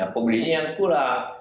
pembelinya yang kurang